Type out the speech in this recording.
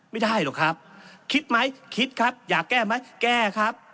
ไม่ได้หรอกครับคิดไหมคิดครับอยากแก้ไหมแก้ครับ